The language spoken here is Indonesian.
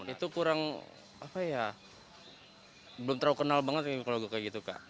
itu kurang apa ya belum terlalu kenal banget kalau gue kayak gitu kak